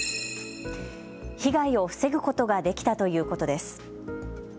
被害を防ぐことができたということです。